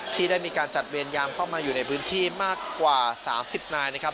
ที่ได้มีการจัดเวรยามเข้ามาอยู่ในพื้นที่มากกว่า๓๐นายนะครับ